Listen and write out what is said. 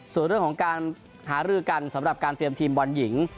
ส่วนเรื่องของการหารือกันสำหรับการเตรียมทีมบอลหญิง